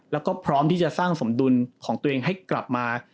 แล้วก็พร้อมที่จะสร้างสมดุลของตัวเองให้กลับมา